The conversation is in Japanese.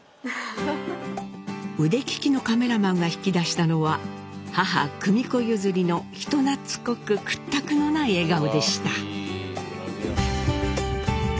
腕利きのカメラマンが引き出したのは母久美子譲りの人懐こく屈託のない笑顔でした。